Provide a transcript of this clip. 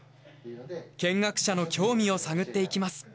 見学者の興味を探っていきます。